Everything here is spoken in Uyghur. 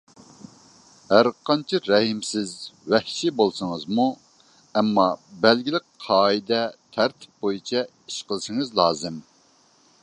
ھەر قانچە رەھىمسىز، ۋەھشىي بولسىڭىزمۇ، ئەمما بەلگىلىك قائىدە، تەرتىپ بويىچە ئىش قىلىشىڭىز لازىم.